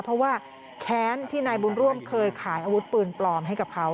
เพราะว่าแค้นที่นายบุญร่วมเคยขายอาวุธปืนปลอมให้กับเขา